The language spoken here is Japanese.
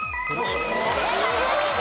正解です。